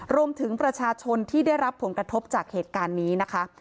รวมถึงประชาชนที่ได้รับผลกระทบจากเหตุการณ์นี้นะคะ